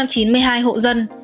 có bốn trăm chín mươi hai hộ dân